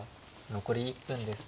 残り１分です。